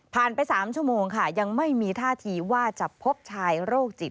ไป๓ชั่วโมงค่ะยังไม่มีท่าทีว่าจะพบชายโรคจิต